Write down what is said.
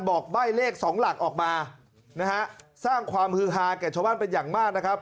บอกใบ้เลขสองหลักออกมานะฮะสร้างความฮือฮาแก่ชาวบ้านเป็นอย่างมากนะครับ